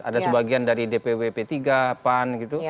ada sebagian dari dpwp tiga pan gitu